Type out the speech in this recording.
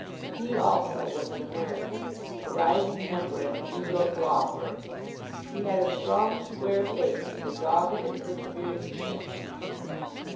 He, also, was an American, a rising member in a New York law firm. He had a strong, square face, with a dogged and persevering chin.